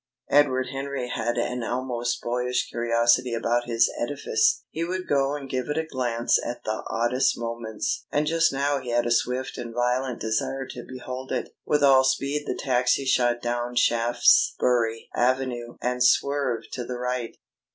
Edward Henry had an almost boyish curiosity about his edifice. He would go and give it a glance at the oddest moments. And just now he had a swift and violent desire to behold it. With all speed the taxi shot down Shaftesbury Avenue and swerved to the right....